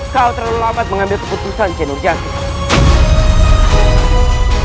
kau terlalu lambat mengambil keputusan cendur jatuh